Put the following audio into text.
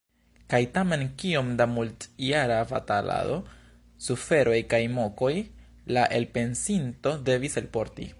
Kaj tamen kiom da multjara batalado, suferoj kaj mokoj la elpensinto devis elporti!